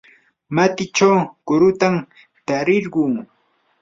matichaw kurutam tarirquu.